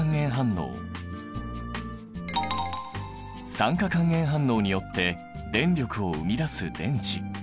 酸化還元反応によって電力を生み出す電池。